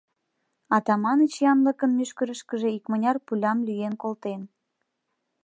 Атаманыч янлыкын мӱшкырышкыжӧ икмыняр пулям лӱен колтен.